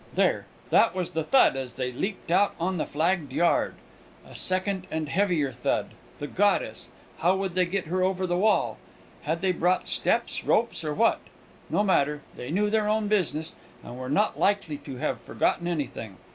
There! that was the thud as they leapt out on the flagged yard. A second and heavier thud the goddess! How would they get her over the wall? Had they brought steps, ropes, or what? No matter; they knew their own business, and were not likely to have forgotten anything.